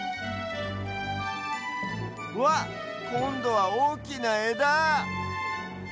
うわっこんどはおおきなえだ！